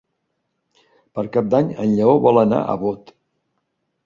Per Cap d'Any en Lleó vol anar a Bot.